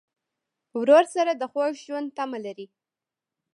ورور سره د خوږ ژوند تمه لرې.